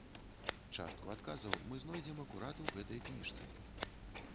Частку адказаў мы знойдзем акурат у гэтай кніжцы.